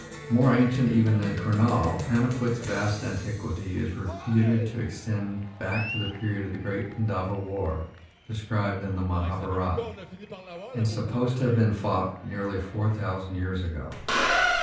More ancient even than Kurnaul, Paniput's vast antiquity is reputed to extend back to the period of the great Pandava War described in the Mahabharat, and supposed to have been fought nearly four thousand years ago.